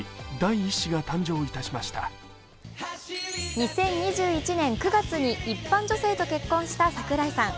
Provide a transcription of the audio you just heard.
２０２１年９月に一般女性と結婚した櫻井さん。